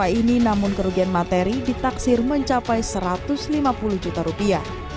ini namun kerugian materi ditaksir mencapai satu ratus lima puluh juta rupiah